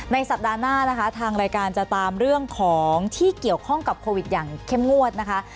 สัปดาห์หน้านะคะทางรายการจะตามเรื่องของที่เกี่ยวข้องกับโควิดอย่างเข้มงวดนะคะ